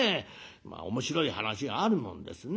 面白い話があるもんですね。